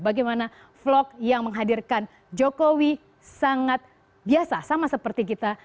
bagaimana vlog yang menghadirkan jokowi sangat biasa sama seperti kita